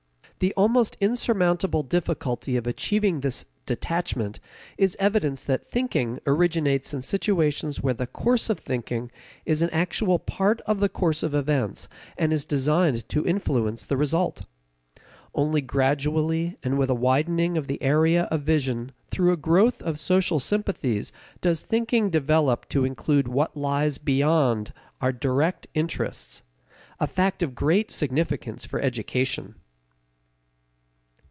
The almost insurmountable difficulty of achieving this detachment is evidence that thinking originates in situations where the course of thinking is an actual part of the course of events and is designed to influence the result. Only gradually and with a widening of the area of vision through a growth of social sympathies does thinking develop to include what lies beyond our direct interests: a fact of great significance for education.